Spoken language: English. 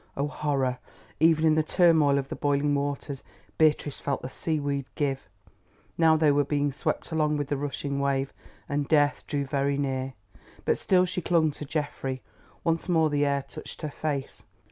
Oh, horror! Even in the turmoil of the boiling waters Beatrice felt the seaweed give. Now they were being swept along with the rushing wave, and Death drew very near. But still she clung to Geoffrey. Once more the air touched her face.